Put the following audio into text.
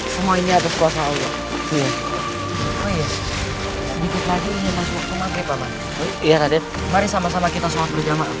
semoga ini ada kuasa allah